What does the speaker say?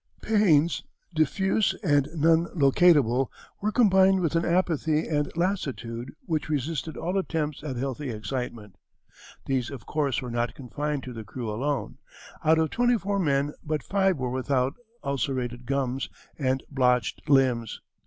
Pains diffuse and non locatable were combined with an apathy and lassitude which resisted all attempts at healthy excitement. These, of course, were not confined to the crew alone: out of twenty four men but five were without ulcerated gums and blotched limbs.